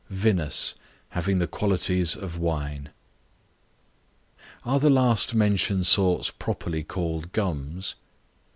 Vinous, having the qualities of wine. Are the last mentioned sorts properly called Gums?